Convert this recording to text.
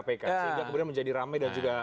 sehingga kemudian menjadi rame dan juga